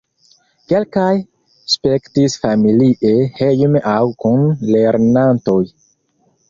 Kelkaj spektis familie hejme aŭ kun lernantoj.